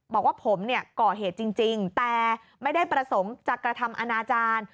บอกว่าผมเนี่ยก่อเหตุจริงแต่ไม่ได้ประสงค์จะกระทำอนาจารย์